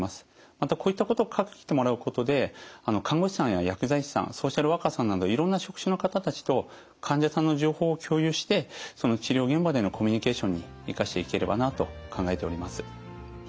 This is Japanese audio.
またこういったことを書いてもらうことで看護師さんや薬剤師さんソーシャルワーカーさんなどいろんな職種の方たちと患者さんの情報を共有してその治療現場でのコミュニケーションに生かしていければなと考えております。